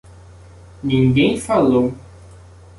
Ninguém falou.